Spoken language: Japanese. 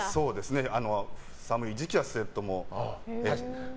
寒い時期はスウェットも。